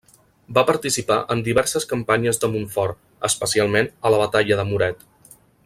Va participar en diverses campanyes de Montfort, especialment a la Batalla de Muret.